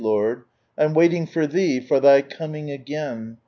Lord ; I'm wailing for Thee, for Thy coming again.